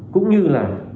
cũng như là